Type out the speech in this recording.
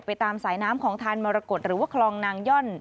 ตามสายน้ำของทานมรกฏหรือว่าคลองนางย่อน